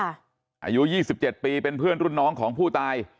อายุ๒๗ปีเป็นเพื่อนรุ่นน้องของผู้ตาย